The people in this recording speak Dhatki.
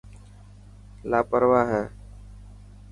لاپرواهه هي.